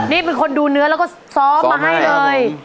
นี่เป็นคนดูเนื้อแล้วก็ซ้อมมาให้เลย